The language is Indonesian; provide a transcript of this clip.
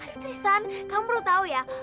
aduh tristan kamu perlu tau ya